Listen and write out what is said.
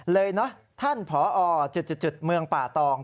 เลยนะท่านผอจุดเมืองป่าตอง